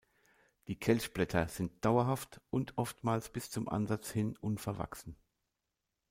Die Kelchblätter sind dauerhaft und oftmals bis zum Ansatz hin unverwachsen.